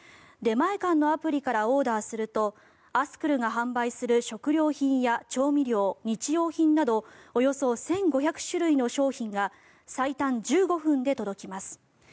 出前館のアプリからオーダーするとアスクルが販売する食料品や調味料、日用品などおよそ１５００種類の商品が最短１５分で届きます。